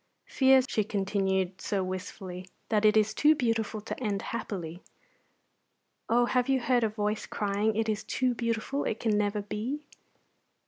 Fears," she continued, so wistfully, "that it is too beautiful to end happily? Oh, have you heard a voice crying, 'It is too beautiful; it can never be'?"